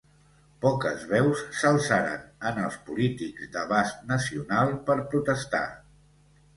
Poques veus s'alçaren en els polítics d'abast nacional per protestar.